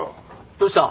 どうした？